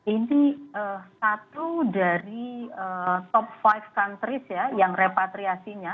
ini satu dari top five countries yang repatriasinya